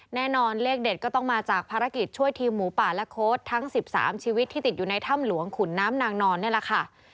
แน่นอนเลขเด็ดก็ต้องมาจากภารกิจช่วยทีมหมูป่าและโค้ดทั้ง๑๓ชีวิตที่ติดอยู่ในถ้ำหลวงขุนน้ำนางนอนนี่แหละค่ะ